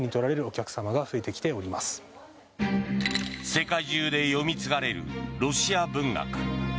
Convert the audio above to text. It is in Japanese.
世界中で読み継がれるロシア文学。